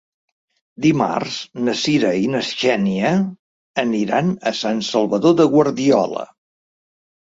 Dimarts na Cira i na Xènia aniran a Sant Salvador de Guardiola.